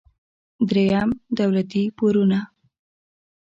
دریم: دولتي پورونه.